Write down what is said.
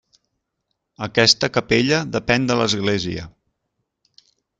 Aquesta capella depèn de l'església.